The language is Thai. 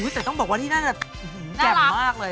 แต่ต้องบอกว่าที่น่าจะแจ่มมากเลย